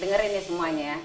dengerin nih semuanya